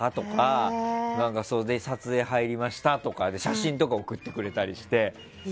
撮影に入りましたとかで写真とか送ってくれたりして。